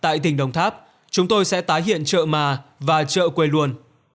tại tỉnh đồng tháp chúng tôi sẽ tái hiện chợ mà và chợ quê luôn